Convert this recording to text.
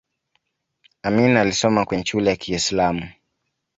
amin alisoma kwenye shule ya kiislamu